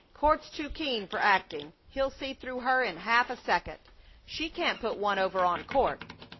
"Court's too keen for acting. He'll see through her in half a second. She can't put one over on Court."